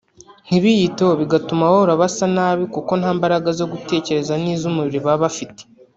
ntibiyiteho bigatuma bahora basa nabi kuko nta mbaraga zo gutekereza n’iz’umubiri baba bafite